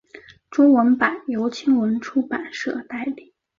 中文版由青文出版社代理。